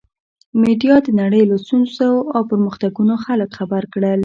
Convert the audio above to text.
میډیا د نړۍ له ستونزو او پرمختګونو خلک خبر کړل.